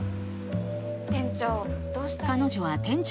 店長。